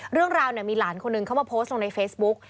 เรื่องราวมีหลานคนหนึ่งเข้ามาโพสต์ลงในเฟซบุ๊ก